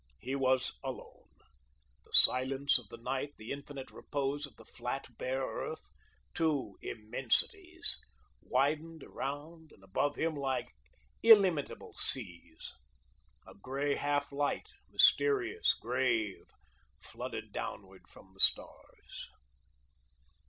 He was alone. The silence of the night, the infinite repose of the flat, bare earth two immensities widened around and above him like illimitable seas. A grey half light, mysterious, grave, flooded downward from the stars.